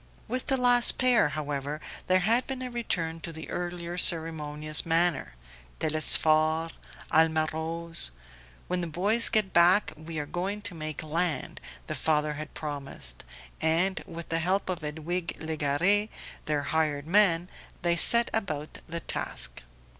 With the last pair, however, there had been a return to the earlier ceremonious manner Telesphore ... Alma Rose. "When the boys get back we are going to make land," the father had promised. And, with the help of Edwige Legare, their hired man, they set about the task.